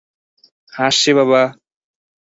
আসছি, বাবা।